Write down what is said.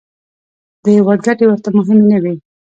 د هېواد ګټې ورته مهمې نه وې.